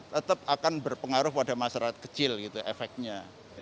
tetap akan berpengaruh pada masyarakat kecil gitu efeknya